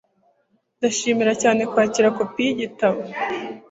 ndashimira cyane kwakira kopi yigitabo